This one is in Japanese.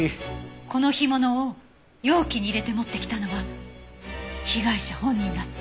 この干物を容器に入れて持ってきたのは被害者本人だった。